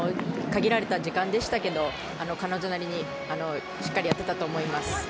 限られた時間でしたけれど、彼女なりにしっかりやっていたと思います。